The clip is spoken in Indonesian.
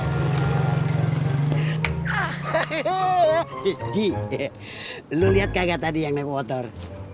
oh hehehe lo liat kagak tadi yang nek water